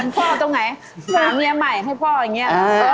พ่อตรงไหนหาเมียใหม่ให้พ่ออย่างนี้